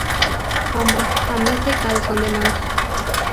Hombres: Camisa y calzón de manta.